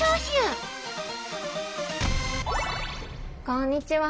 こんにちは。